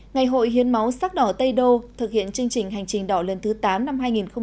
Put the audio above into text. ngày hội hiến máu sắc đỏ tây đô thực hiện chương trình hành trình đỏ lần thứ tám năm hai nghìn hai mươi